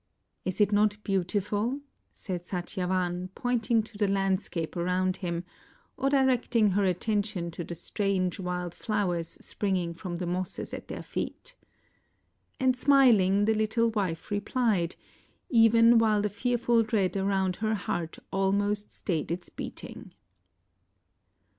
" Is it not beautiful ?" said Satyavan, point ing to the landscape around him, or directing her atten tion to the strange wild flowers springing from the mosses at their feet. And smiling the little wife replied, even while the fearful dread around her heart almost stayed its beating.